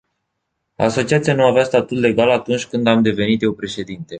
Asociația nu avea statut legal atunci când am devenit eu președinte.